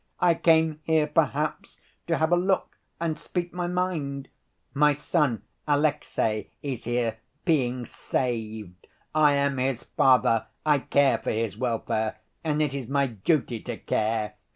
I came here perhaps to have a look and speak my mind. My son, Alexey, is here, being saved. I am his father; I care for his welfare, and it is my duty to care.